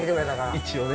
一応ね。